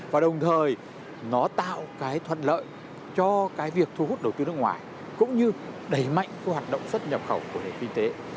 và đồng thời nó tạo cái thuận lợi cho cái việc thu hút đầu tư nước ngoài cũng như đẩy mạnh cái hoạt động xuất nhập khẩu của nền kinh tế